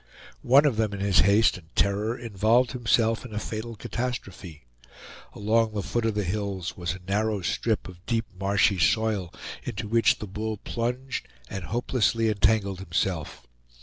One of them in his haste and terror involved himself in a fatal catastrophe. Along the foot of the hills was a narrow strip of deep marshy soil, into which the bull plunged and hopelessly entangled himself.